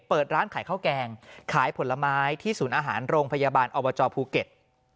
เปิดร้านขายข้าวแกงขายผลไม้ที่ศูนย์อาหารโรงพยาบาลอบจภูเก็ต